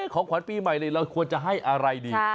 ของขวัญปีใหม่เลยเราควรจะให้อะไรดี